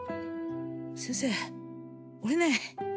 先生俺ね